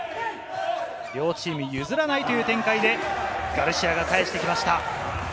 両チーム譲らないという展開でガルシアが返してきました。